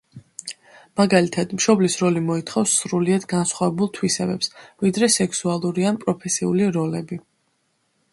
მაგალითად, მშობლის როლი მოითხოვს სრულიად განსხვავებულ თვისებებს, ვიდრე სექსუალური ან პროფესიული როლები.